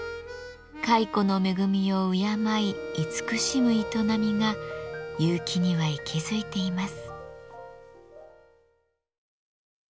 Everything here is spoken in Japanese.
蚕の恵みを敬い慈しむ営みが結城には息づいています。